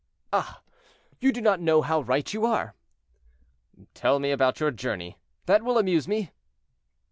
"Ah! you do not know how right you are." "Tell me about your journey! that will amuse me."